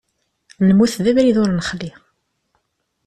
Lmut d abrid ur nexli.